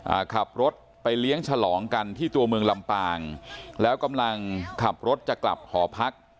อ่าขับรถไปเลี้ยงฉลองกันที่ตัวเมืองลำปางแล้วกำลังขับรถจะกลับหอพัก